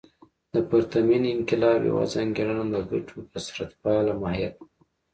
د پرتمین انقلاب یوه ځانګړنه د ګټو کثرت پاله ماهیت و.